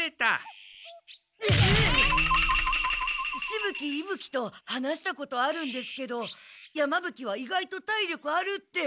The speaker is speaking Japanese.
しぶ鬼いぶ鬼と話したことあるんですけど山ぶ鬼は意外と体力あるって。